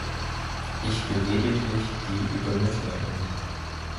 Ich bin lediglich die Übermittlerin.